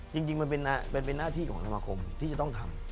จริงมันเป็นหน้าที่ของสมาคมที่จะต้องทำ